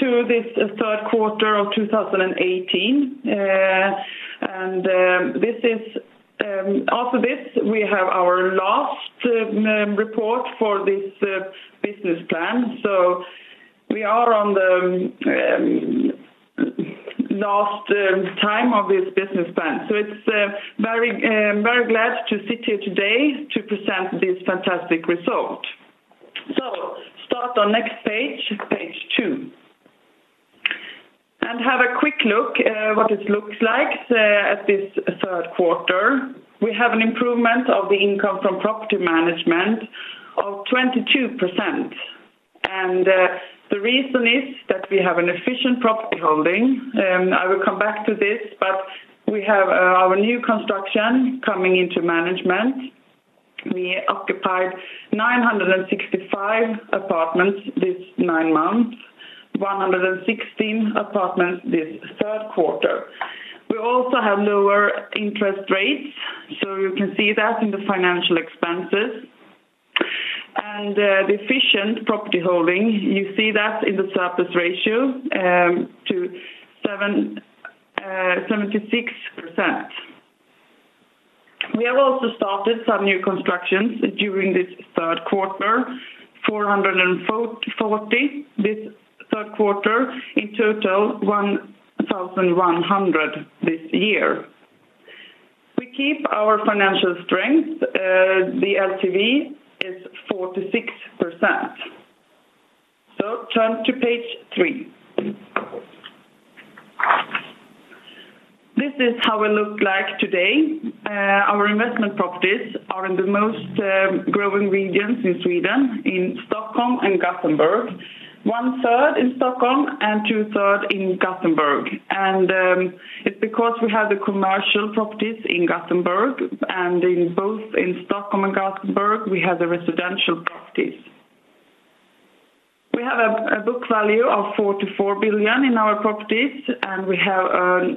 To this third quarter of 2018. This is after this, we have our last report for this business plan. We are on the last time of this business plan. It's very glad to sit here today to present this fantastic result. Start on next page two. Have a quick look at what this looks like at this third quarter. We have an improvement of the income from property management of 22%. The reason is that we have an efficient property holding, I will come back to this, but we have our new construction coming into management. We occupied 965 apartments this nine months, 116 apartments this third quarter. We also have lower interest rates, you can see that in the financial expenses. The efficient property holding, you see that in the surplus ratio to 76%. We have also started some new constructions during this third quarter, 440 apartments this third quarter, in total 1,100 apartments this year. We keep our financial strength. The TV is 46%. Turn to page three. This is how it look like today. Our investment properties are in the most growing regions in Sweden, in Stockholm and Gothenburg. One third in Stockholm and two third in Gothenburg. It's because we have the commercial properties in Gothenburg. In both in Stockholm and Gothenburg, we have the residential properties. We have a book value of 44 billion in our properties. We have a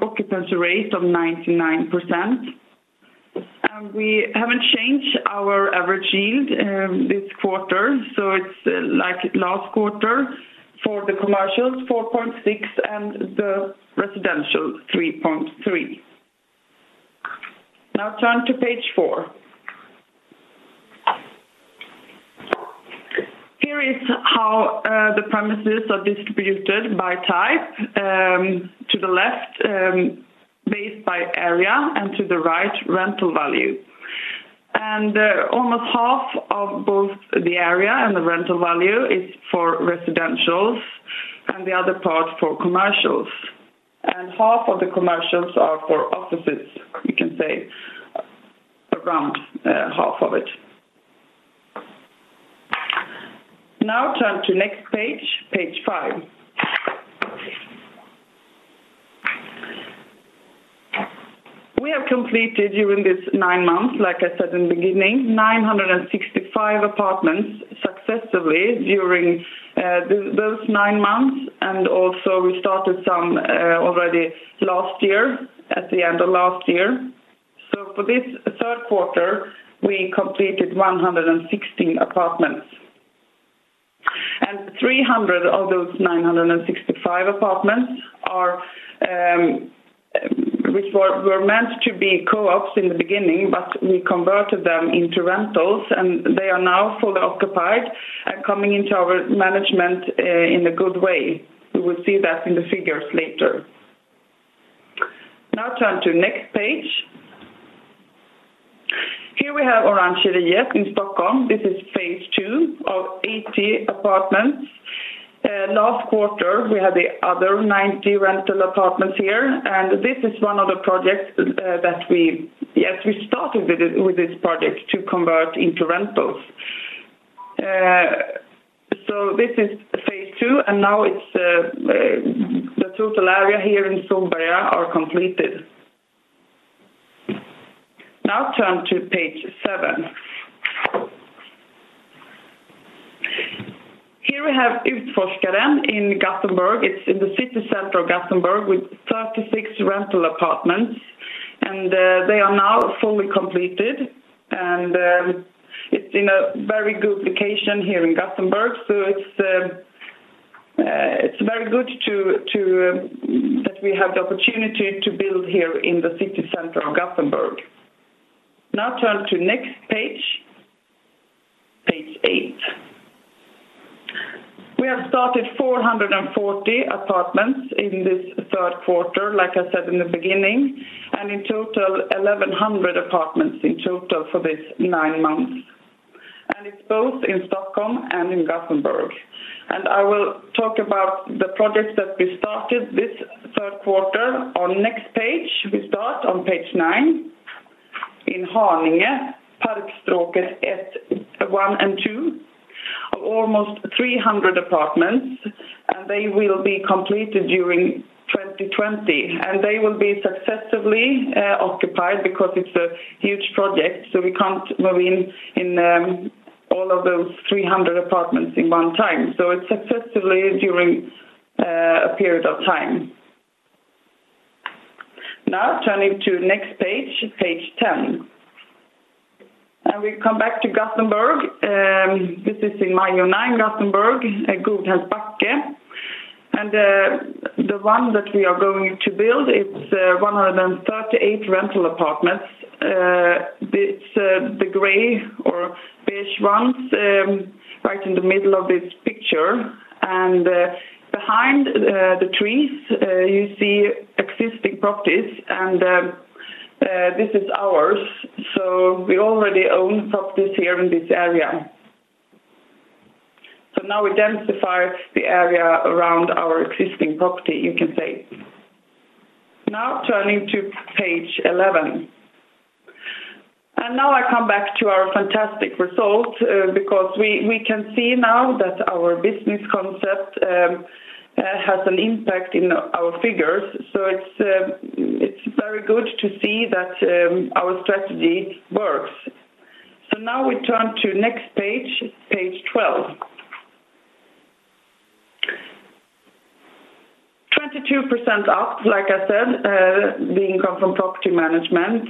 occupancy rate of 99%. We haven't changed our average yield this quarter, so it's like last quarter for the commercials, 4.6%, and the residential, 3.3%. Now turn to page four. Here is how the premises are distributed by type. To the left, based by area. To the right, rental value. Almost half of both the area and the rental value is for residentials. The other part for commercials. Half of the commercials are for offices, you can say around half of it. Now turn to next page five. We have completed during this nine months, like I said in the beginning, 965 apartments successively during those nine months. Also we started some already at the end of last year. For this third quarter, we completed 116 apartments. 300 of those 965 apartments are which were meant to be co-ops in the beginning, but we converted them into rentals, and they are now fully occupied and coming into our management in a good way. We will see that in the figures later. Turn to next page. Here we have Orangeriet in Stockholm. This is phase two of 80 apartments. Last quarter, we had the other 90 rental apartments here, and this is one of the projects that we started with this project to convert into rentals. This is phase two, and now it's the total area here in Solberga are completed. Turn to page seven. Here we have Utforskaren in Gothenburg. It's in the city center of Gothenburg with 36 rental apartments. They are now fully completed. It's in a very good location here in Gothenburg. It's very good to that we have the opportunity to build here in the city center of Gothenburg. Now turn to next page eight. We have started 440 apartments in this third quarter, like I said in the beginning, and in total 1,100 apartments in total for this nine months. I will talk about the projects that we started this third quarter on next page. We start on page nine in Haninge, Parkstråket Etapp 1 and 2. Almost 300 apartments, and they will be completed during 2020. They will be successively occupied because it's a huge project, so we can't move in all of those 300 apartments in one time. It's successively during a period of time. Now turning to next page 10. We come back to Gothenburg. This is in Majorna in Gothenburg at Godhems Backe. The one that we are going to build, it's 138 rental apartments. It's the gray or beige ones right in the middle of this picture. Behind the trees, you see existing properties, and this is ours, so we already own properties here in this area. Now we densify the area around our existing property, you can say. Now turning to page 11. I come back to our fantastic results because we can see now that our business concept has an impact in our figures. It's very good to see that our strategy works. We turn to next page 12. 22% up, like I said, being come from property management.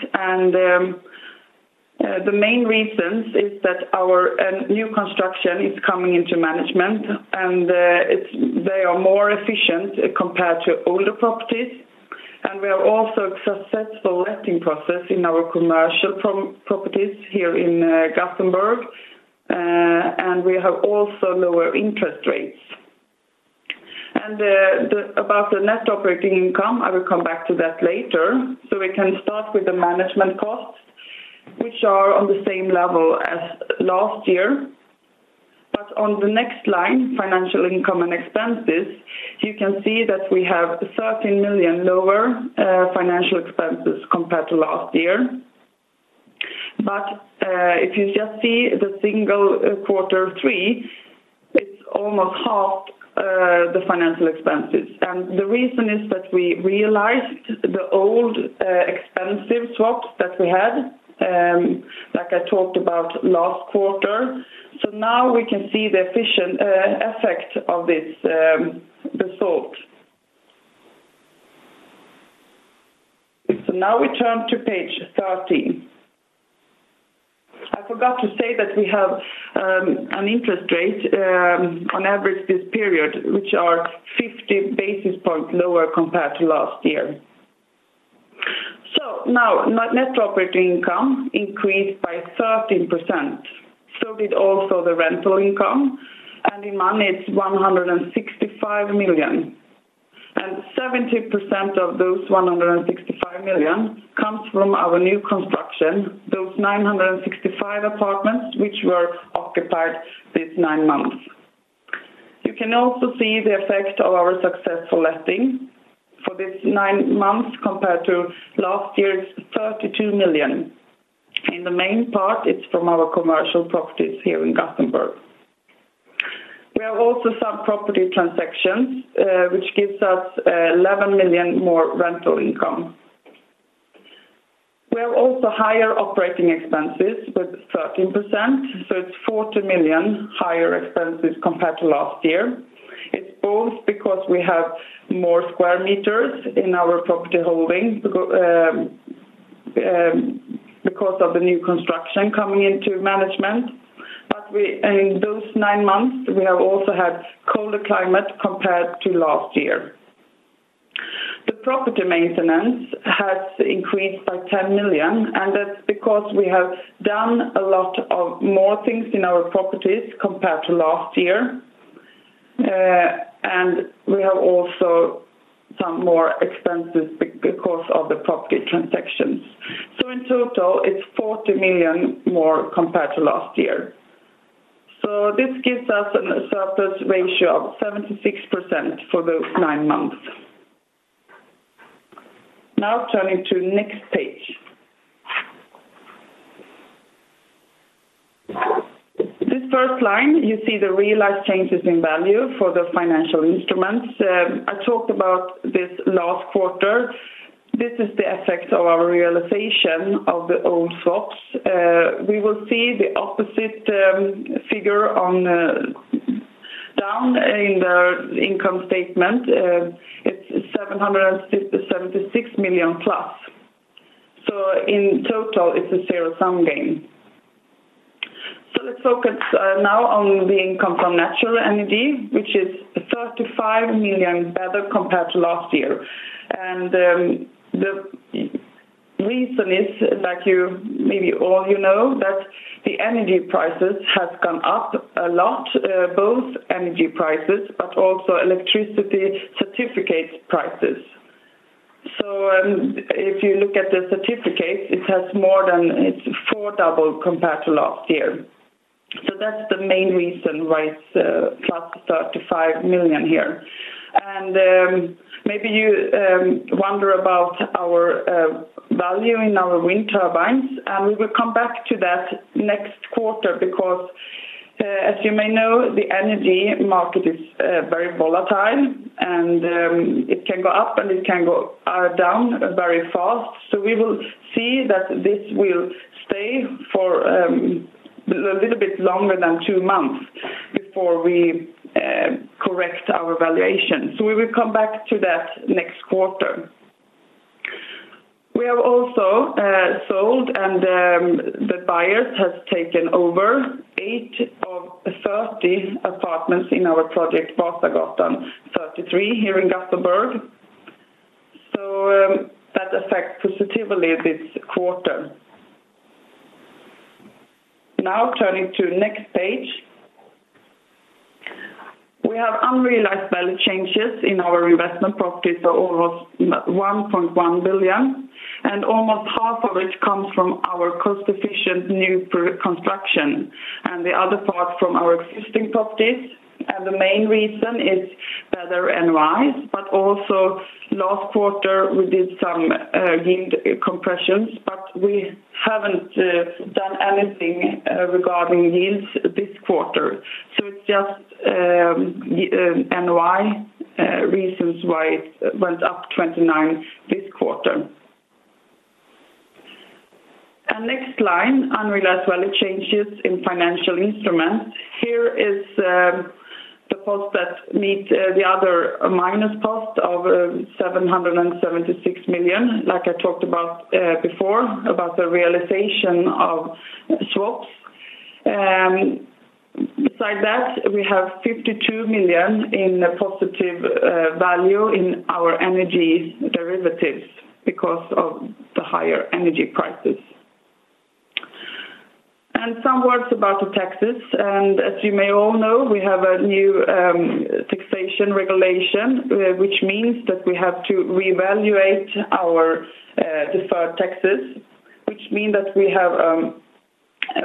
The main reasons is that our new construction is coming into management, they are more efficient compared to older properties. We have also successful letting process in our commercial properties here in Gothenburg. We have also lower interest rates. About the net operating income, I will come back to that later. We can start with the management costs, which are on the same level as last year. On the next line, financial income and expenses, you can see that we have 13 million lower financial expenses compared to last year. If you just see the single Q3, it's almost half the financial expenses. The reason is that we realized the old expensive swaps that we had, like I talked about last quarter. Now we can see the efficient effect of this result. Now we turn to page 13. I forgot to say that we have an interest rate on average this period, which are 50 basis point lower compared to last year. Now net operating income increased by 13%. Did also the rental income. In money, it's 165 million. Seventy percent of those 165 million comes from our new construction, those 965 apartments which were occupied this nine months. You can also see the effect of our successful letting for this nine months compared to last year's 32 million. In the main part, it's from our commercial properties here in Gothenburg. We have also some property transactions, which gives us 11 million more rental income. We have also higher operating expenses with 13%. It's 40 million higher expenses compared to last year. It's both because we have more square meters in our property holding because of the new construction coming into management. In those nine months, we have also had colder climate compared to last year. The property maintenance has increased by 10 million, because we have done a lot of more things in our properties compared to last year. We have also some more expenses because of the property transactions. In total, it's 40 million more compared to last year. This gives us a surplus ratio of 76% for those nine months. Turning to next page. This first line, you see the realized changes in value for the financial instruments. I talked about this last quarter. This is the effect of our realization of the old swaps. We will see the opposite figure down in the income statement. It's 76 million+. In total, it's a zero-sum game. Let's focus now on the income from natural energy, which is 35 million better compared to last year. The reason is, like you maybe all you know, that the energy prices has gone up a lot, both energy prices but also electricity certificate prices. If you look at the certificate, it's four double compared to last year. That's the main reason why it's +35 million here. Maybe you wonder about our value in our wind turbines, and we will come back to that next quarter because as you may know, the energy market is very volatile, and it can go up and it can go down very fast. We will see that this will stay for a little bit longer than two months. Before we correct our valuation. We will come back to that next quarter. We have also sold and the buyers has taken over eight of 30 apartments in our project Vasagatan 33 here in Gothenburg. That affect positively this quarter. Turning to next page. We have unrealized value changes in our investment properties of almost 1.1 billion, almost half of which comes from our cost-efficient new construction, the other part from our existing properties. The main reason is better NOI, also last quarter we did some yield compressions. We haven't done anything regarding yields this quarter. It's just NOI reasons why it went up 29% this quarter. Next line, unrealized value changes in financial instruments. Here is the cost that meet the other minus cost of 776 million, like I talked about before, about the realization of swaps. Beside that, we have 52 million in positive value in our energy derivatives because of the higher energy prices. Some words about the taxes. As you may all know, we have a new taxation regulation, which means that we have to reevaluate our deferred taxes, which mean that we have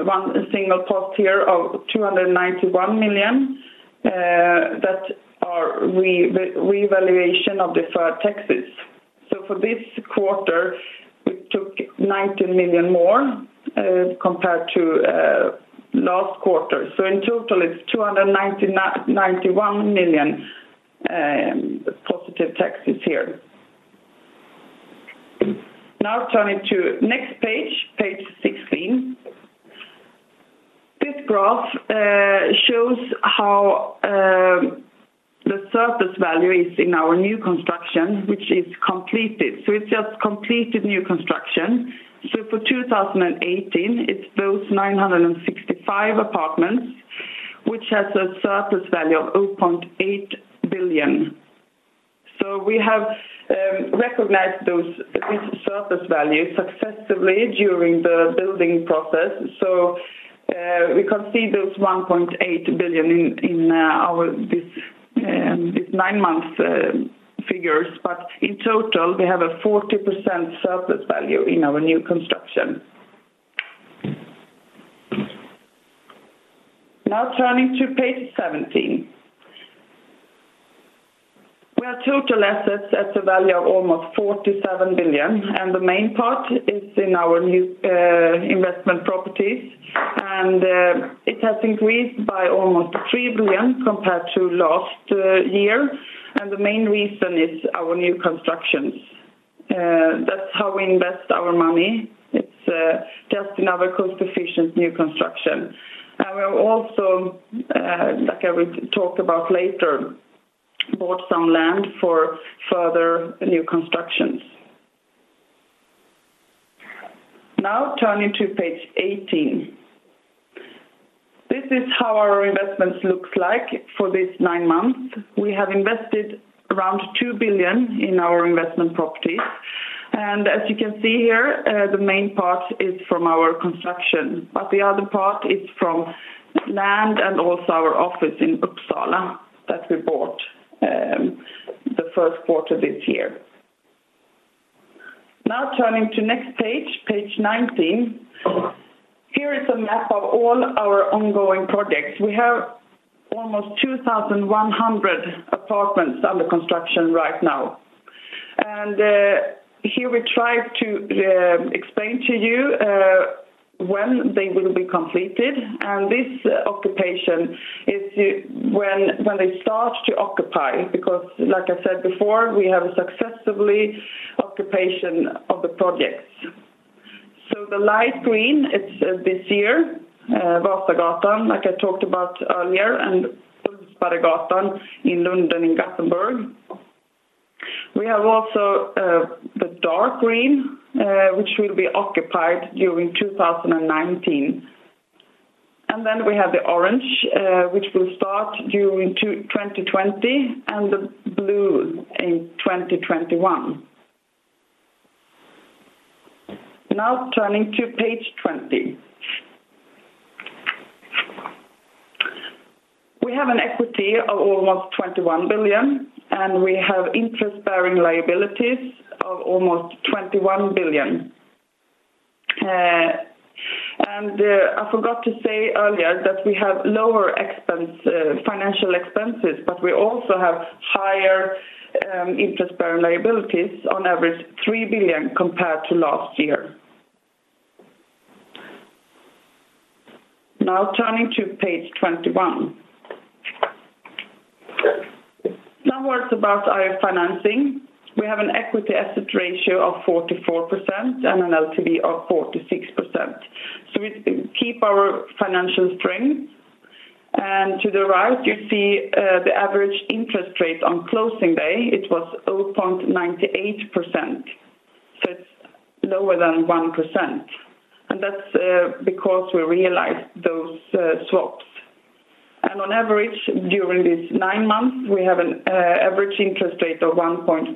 one single cost here of 291 million that are revaluation of deferred taxes. For this quarter, we took 19 million more compared to last quarter. In total it's 91 million, positive taxes here. Turning to next page 16. This graph shows how the surplus value is in our new construction, which is completed, so it's just completed new construction. For 2018, it's those 965 apartments which has a surplus value of 0.8 billion. We have recognized these surplus values successively during the building process. We can see 1.8 billion in our, this nine-month figures. In total, we have a 40% surplus value in our new construction. Now turning to page 17. We have total assets at a value of almost 47 billion, and the main part is in our new investment properties. It has increased by almost 3 billion compared to last year, and the main reason is our new constructions. That's how we invest our money. It's just in our cost-efficient new construction. We've also, like I will talk about later, bought some land for further new constructions. Turning to page 18. This is how our investments looks like for this nine months. We have invested around 2 billion in our investment properties. As you can see here, the main part is from our construction, but the other part is from land and also our office in Uppsala that we bought the first quarter this year. Turning to next page 19. Here is a map of all our ongoing projects. We have almost 2,100 apartments under construction right now. Here we try to explain to you when they will be completed. This occupation is to when they start to occupy, because like I said before, we have a successively occupation of the projects. The light green is this year, Vasagatan, like I talked about earlier, and Ulfsparregatan in Lund and in Gothenburg. We have also the dark green, which will be occupied during 2019. We have the orange, which will start during 2020, and the blue in 2021. Turning to page 20. We have an equity of almost 21 billion, and we have interest-bearing liabilities of almost 21 billion. I forgot to say earlier that we have lower expense, financial expenses, but we also have higher interest-bearing liabilities, on average 3 billion compared to last year. Turning to page 21. Some words about our financing. We have an equity asset ratio of 44% and an LTV of 46%. We keep our financial strength. To the right, you see the average interest rate on closing day, it was 0.98%. It's lower than 1%, and that's because we realized those swaps. On average, during these nine months, we have an average interest rate of 1.46%.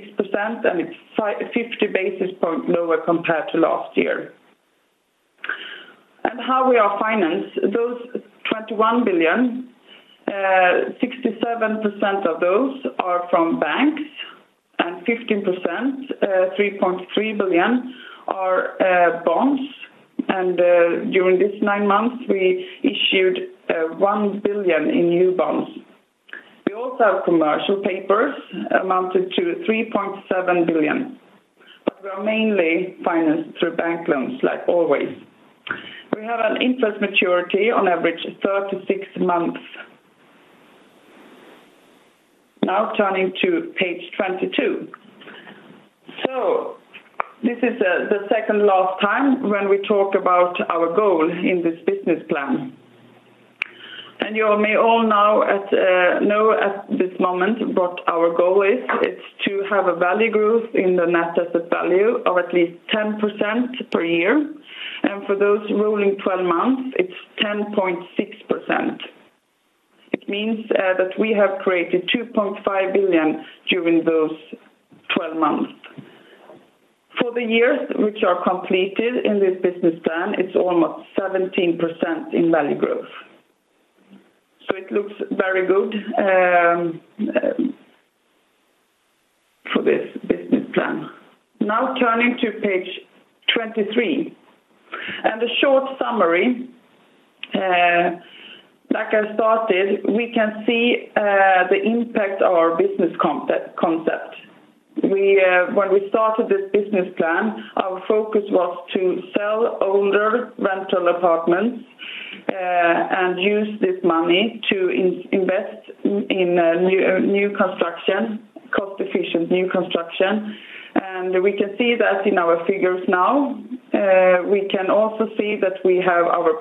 It's 50 basis point lower compared to last year. How we are financed, those 21 billion, 67% of those are from banks, and 15%, 3.3 billion are bonds. During these nine months, we issued 1 billion in new bonds. We also have commercial papers amounted to 3.7 billion. We are mainly financed through bank loans, like always. We have an interest maturity on average 36 months. Now turning to page 22.This is the second last time when we talk about our goal in this business plan. You may all now know at this moment what our goal is. It's to have a value growth in the net asset value of at least 10% per year. For those ruling 12 months, it's 10.6%. It means that we have created 2.5 billion during those 12 months. For the years which are completed in this business plan, it's almost 17% in value growth. It looks very good for this business plan. Turning to page 23. A short summary, like I started, we can see the impact of our business concept. When we started this business plan, our focus was to sell older rental apartments and use this money to invest in new construction, cost-efficient new construction. We can see that in our figures now. We can also see that we have our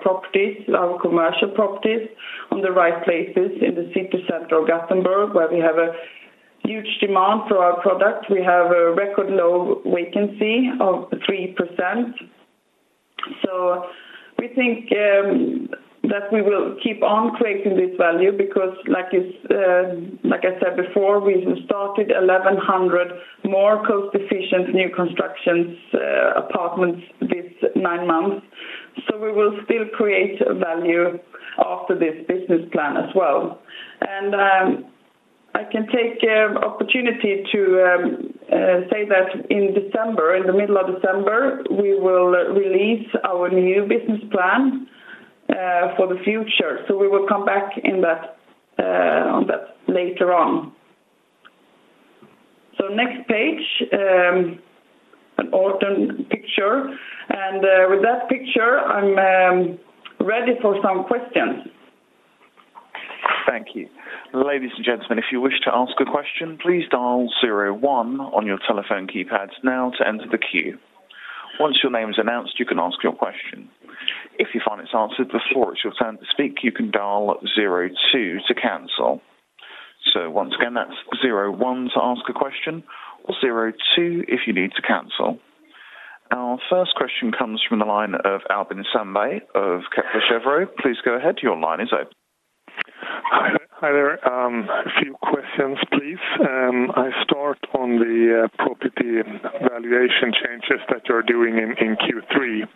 commercial properties on the right places in the city center of Gothenburg, where we have a huge demand for our product. We have a record low vacancy of 3%. We think that we will keep on creating this value because like I said before, we started 1,100 more cost-efficient new constructions, apartments this nine months. We will still create value after this business plan as well. I can take an opportunity to say that in the middle of December, we will release our new business plan for the future. We will come back in that on that later on. Next page, an autumn picture. With that picture, I'm ready for some questions. Thank you. Ladies and gentlemen, if you wish to ask a question, please dial zero one on your telephone keypads now to enter the queue. Once your name is announced, you can ask your question. If you find it's answered before it's your turn to speak, you can dial zero two to cancel. Once again, that's zero one to ask a question or zero two if you need to cancel. Our first question comes from the line of Albin Sandberg of Kepler Cheuvreux. Please go ahead. Your line is open. Hi there. A few questions, please. I start on the property valuation changes that you're doing in Q3.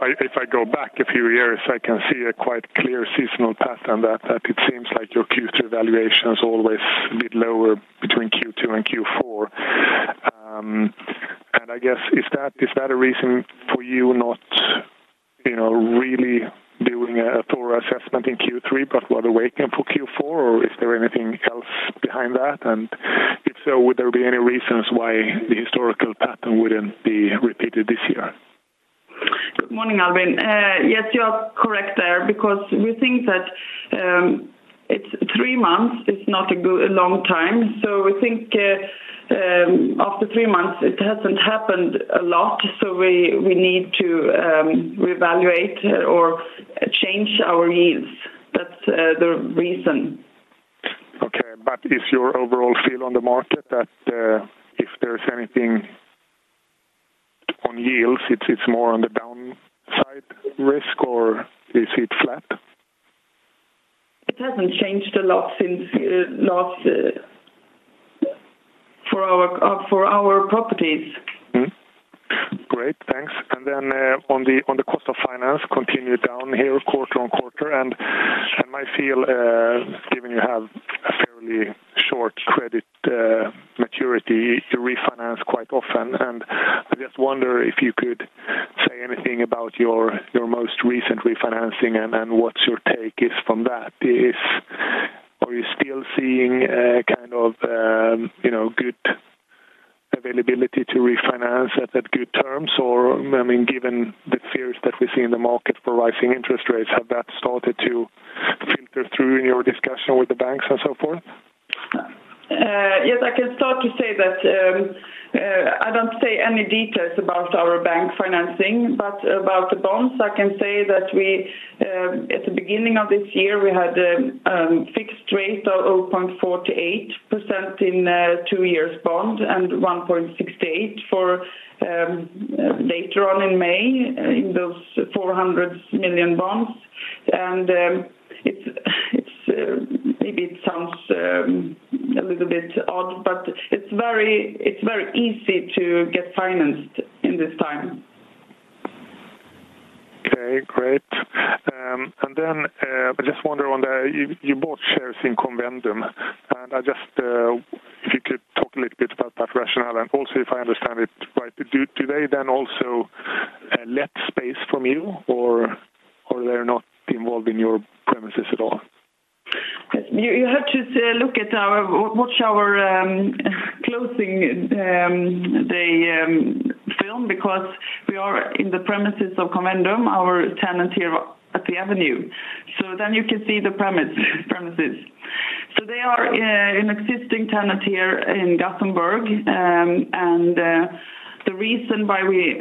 If I go back a few years, I can see a quite clear seasonal pattern that it seems like your Q2 valuation is always a bit lower between Q2 and Q4. I guess, is that a reason for you not, you know, really doing a thorough assessment in Q3, but rather waiting for Q4? Is there anything else behind that? If so, would there be any reasons why the historical pattern wouldn't be repeated this year? Good morning, Albin. Yes, you are correct there because we think that it's three months. It's not a long time. We think after three months, it hasn't happened a lot, so we need to reevaluate or change our yields. That's the reason. Okay. Is your overall feel on the market that, if there's anything on yields, it's more on the downside risk, or is it flat? It hasn't changed a lot since, last for our properties. Great. Thanks. Then on the cost of finance, continue down here quarter-on-quarter. I might feel, given you have a fairly short credit maturity to refinance quite often. I just wonder if you could say anything about your most recent refinancing and what your take is from that. Seeing, kind of, you know, good availability to refinance at good terms, or, I mean, given the fears that we see in the market for rising interest rates, have that started to filter through in your discussion with the banks and so forth? Yes, I can start to say that, I don't say any details about our bank financing, but about the bonds, I can say that we, at the beginning of this year, we had a fixed rate of 0.4% to 8% in two-year bond and 1.68% for later on in May in those 400 million bonds. Maybe it sounds a little bit odd, but it's very, very easy to get financed in this time. Okay, great. I just wonder you bought shares in Convendum, and I just, if you could talk a little bit about that rationale. Also, if I understand it right, do they then also, let space from you or they're not involved in your premises at all? You have to watch our closing the film because we are in the premises of Convendum, our tenant here at the Avenyn. You can see the premises. They are an existing tenant here in Gothenburg. The reason why we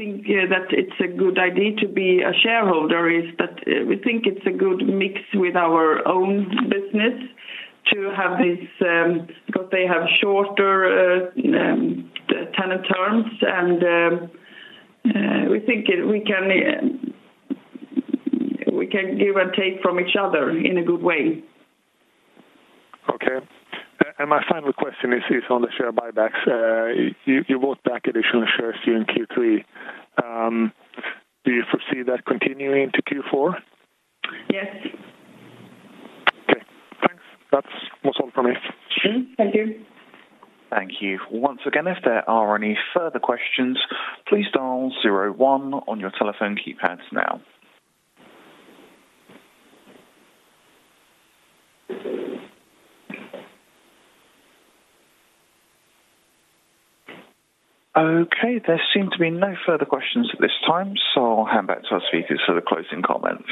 think that it's a good idea to be a shareholder is that we think it's a good mix with our own business to have this because they have shorter tenant terms. We think we can give and take from each other in a good way. Okay. My final question is on the share buybacks. You bought back additional shares during Q3. Do you foresee that continuing to Q4? Yes. Okay, thanks. That's almost all from me. Thank you. Thank you. Once again, if there are any further questions, please dial zero one on your telephone keypads now. Okay, there seem to be no further questions at this time, so I'll hand back to our speakers for the closing comments.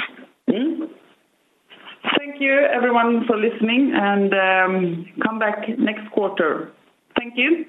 Thank you everyone for listening and come back next quarter. Thank you.